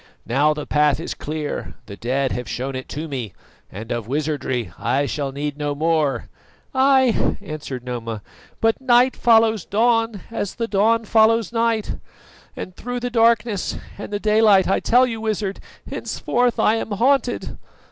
Now the path is clear, the dead have shown it to me, and of wizardry I shall need no more." "Ay!" answered Noma, "but night follows dawn as the dawn follows night; and through the darkness and the daylight, I tell you, Wizard, henceforth I am haunted!